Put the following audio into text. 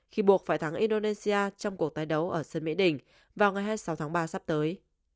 khi buộc phải thắng indonesia trong cuộc tái đấu ở sân mỹ đình vào ngày hai mươi sáu tháng ba sắp tới